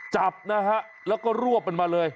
จับนะฮะแล้วก็รวบมันมาเลย